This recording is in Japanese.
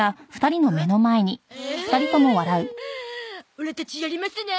オラたちやりますな。